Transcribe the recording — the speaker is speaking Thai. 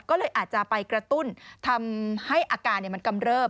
ก็เลยอาจจะไปกระตุ้นทำให้อาการมันกำเริบ